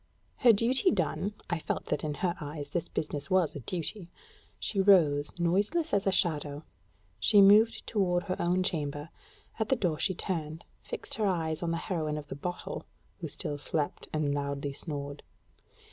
Her duty done I felt that in her eyes this business was a duty she rose, noiseless as a shadow: she moved toward her own chamber; at the door she turned, fixing her eyes on the heroine of the bottle, who still slept and loudly snored.